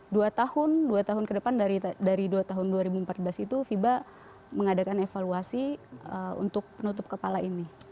dan dua tahun ke depan dari dua tahun dua ribu empat belas itu viva mengadakan evaluasi untuk penutup kepala ini